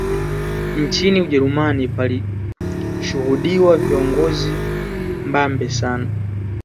Nchini Ujerumani palishuhudiwa kiongozi mbabe sana